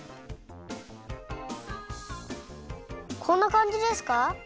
こんなかんじですか？